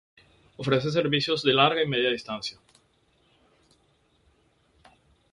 Ofrece servicios de larga y media distancia.